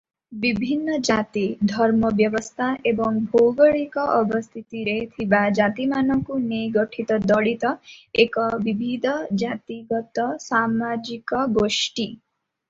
ବିଭିନ୍ନ ଜାତି, ଧର୍ମ ବ୍ୟବସ୍ଥା ଏବଂ ଭୌଗୋଳିକ ଅବସ୍ଥିତିରେ ଥିବା ଜାତିମାନଙ୍କୁ ନେଇ ଗଠିତ ଦଳିତ ଏକ ବିବିଧ ଜାତିଗତ ସାମାଜିକ ଗୋଷ୍ଠୀ ।